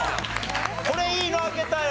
これいいの開けたよ。